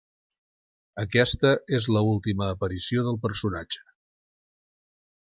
Aquesta és l'última aparició del personatge.